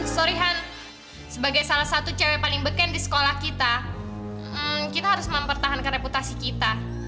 sorry han sebagai salah satu cewek paling beken di sekolah kita kita harus mempertahankan reputasi kita